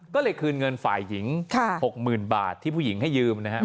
ก็เลยคืนเงินฝ่ายหญิง๖๐๐๐บาทที่ผู้หญิงให้ยืมนะฮะ